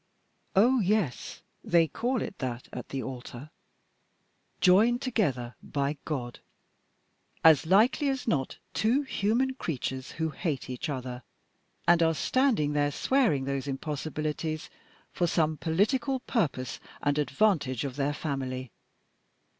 Oh! yes, they call it that at the altar 'joined together by God!' As likely as not two human creatures who hate each other, and are standing there swearing those impossibilities for some political purpose and advantage of their family.